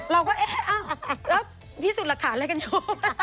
เราก็เอ๊ะรับทราบพี่สุทรักษาอะไรเกินอยู่